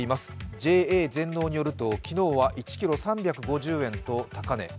ＪＡ全農によると、昨日は１ｋｇ３５０円と高値。